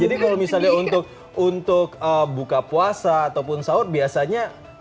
jadi kalau misalnya untuk buka puasa ataupun sahur biasanya masak apa ya